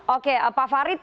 oke pak farid